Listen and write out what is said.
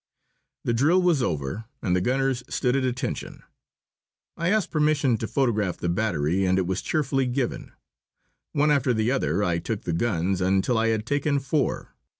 The drill was over and the gunners stood at attention. I asked permission to photograph the battery, and it was cheerfully given. One after the other I took the guns, until I had taken four.